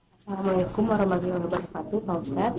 assalamualaikum warahmatullahi wabarakatuh pak ustadz